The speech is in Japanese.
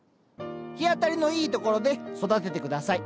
日当たりのいいところで育てて下さい。